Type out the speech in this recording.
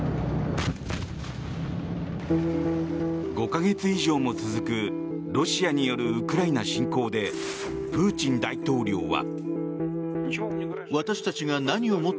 ５か月以上も続くロシアによるウクライナ侵攻でプーチン大統領は。